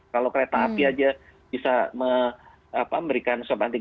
kalau kereta api aja bisa memberikan swab antigen satu ratus lima puluh